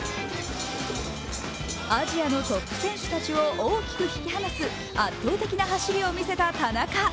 アジアのトップ選手たちを大きく引き離す圧倒的な走りを見せた田中。